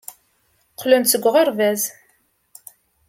Qqlen-d seg uɣerbaz.